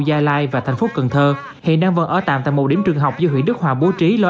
gia lai và thành phố cần thơ hiện đang vẫn ở tạm tại một điểm trường học do huyện đức hòa bố trí lo